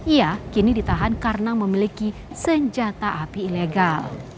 ia kini ditahan karena memiliki senjata api ilegal